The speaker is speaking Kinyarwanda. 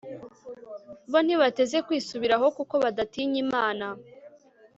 bo ntibateze kwisubiraho, kuko badatinya imana